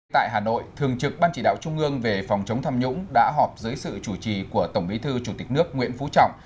tại hà nội thường trực ban chỉ đạo trung ương về phòng chống tham nhũng đã họp dưới sự chủ trì của tổng bí thư chủ tịch nước nguyễn phú trọng